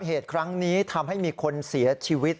เหตุครั้งนี้ทำให้มีคนเสียชีวิต